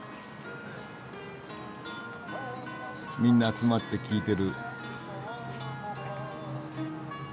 みんな集まって聴いてる。